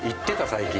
最近。